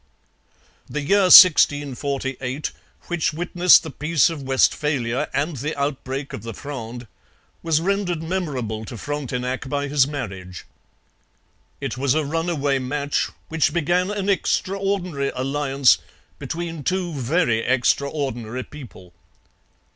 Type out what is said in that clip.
The year 1648, which witnessed the Peace of Westphalia and the outbreak of the Fronde, was rendered memorable to Frontenac by his marriage. It was a runaway match, which began an extraordinary alliance between two very extraordinary people.